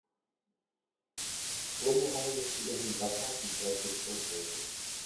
Z klubu ale ještě během dvacátých let vystoupil.